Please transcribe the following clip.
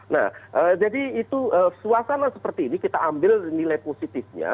nah jadi itu suasana seperti ini kita ambil nilai positifnya